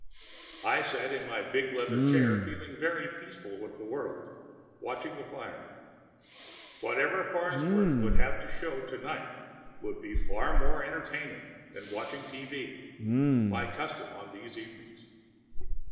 I sat in my big leather chair, feeling very peaceful with the world, watching the fire. Whatever Farnsworth would have to show to night would be far more entertaining than watching T.V. my custom on other evenings.